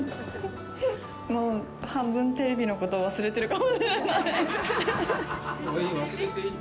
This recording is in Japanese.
もう、半分テレビのことを忘れているかもしれない。